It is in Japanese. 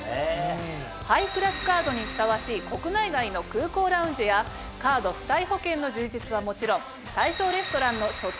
ハイクラスカードにふさわしい国内外の空港ラウンジやカード付帯保険の充実はもちろん。